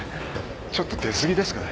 ちょっと出過ぎですかね？